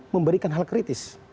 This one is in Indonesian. memberikan hal kritis